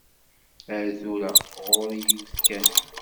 Ar tura, ɣur-i yiwet kan.